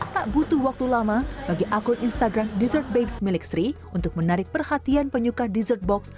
tak butuh waktu lama bagi akun instagram dessert base milik sri untuk menarik perhatian penyuka dessert box